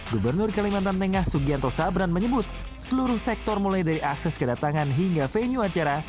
gubernur kalimantan tengah sugianto sabran menyebut seluruh sektor mulai dari akses kedatangan hingga venue acara